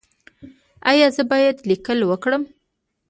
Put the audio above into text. ایا زه باید لیکل وکړم؟